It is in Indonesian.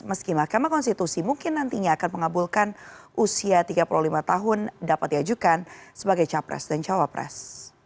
meski mahkamah konstitusi mungkin nantinya akan mengabulkan usia tiga puluh lima tahun dapat diajukan sebagai capres dan cawapres